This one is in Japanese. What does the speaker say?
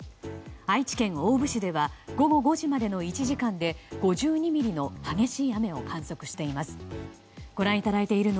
愛知県大府市では午後５時までの１時間で５２ミリの激しい雨を観測しています。